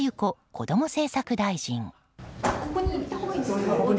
こども政策大臣。